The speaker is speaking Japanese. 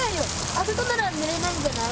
あそこならぬれないんじゃない？